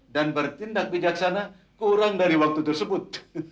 dan bertindak bijaksana kurang dari waktu tersebut